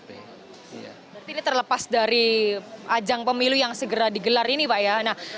berarti ini terlepas dari ajang pemilu yang segera digelar ini pak ya